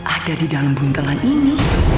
ada di dalam buntelan ini